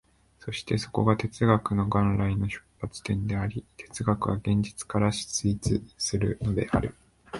そしてそこが哲学の元来の出発点であり、哲学は現実から出立するのである。